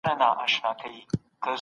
تاسو به د خپل ځان درناوی کوئ.